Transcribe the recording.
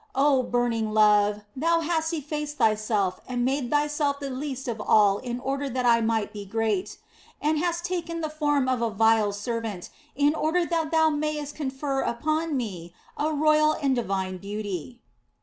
Oh burning love ! Thou hast effaced Thyself and made Thyself the least of all in order that I might be great, and hast taken the form of a vile servant in order that Thou mightest confer upon me a royal and divine beauty.